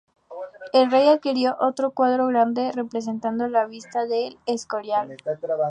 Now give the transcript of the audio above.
El rey adquirió otro cuadro grande representando la "Vista del Escorial".